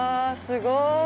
すごい。